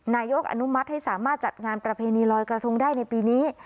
นายกอนุมัติให้สามารถจัดงานประเพณีลอยกระทงได้ในปีนี้